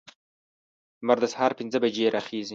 لمر د سهار پنځه بجې راخیزي.